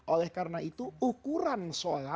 oleh karena itu ukuran sholat itu menggunakan matahari kan